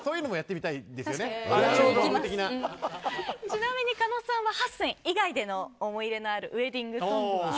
ちなみに狩野さんは８選以外での思い入れのあるウエディングソングは？